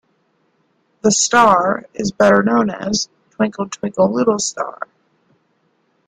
"The Star" is better known as "Twinkle Twinkle Little Star".